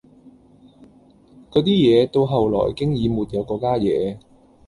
嗰啲嘢到後來經已沒有嗰家野